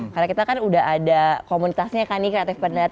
karena kita kan udah ada komunitasnya kan nih creative per corner